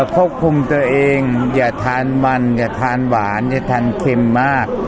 ควบคุมตัวเองอย่าทานมันอย่าทานหวานอย่าทานเค็มมาก